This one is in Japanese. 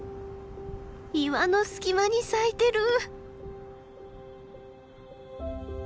岩の隙間に咲いてる！